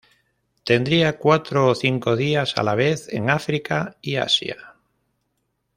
Tendría cuatro o cinco días a la vez en África y Asia.